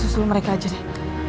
saya susul mereka aja deh